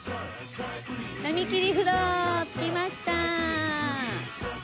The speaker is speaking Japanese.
浪切不動着きました！